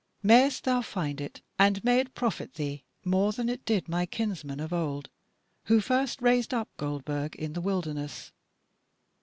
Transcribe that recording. Mayst thou find it, and may it profit thee more than it did my kinsman of old, who first raised up Goldburg in the wilderness.